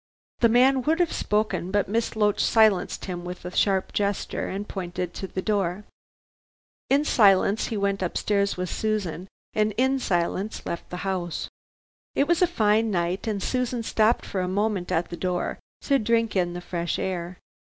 The man would have spoken, but Miss Loach silenced him with a sharp gesture and pointed to the door. In silence he went upstairs with Susan, and in silence left the house. It was a fine night, and Susan stopped for a moment at the door to drink in the fresh air.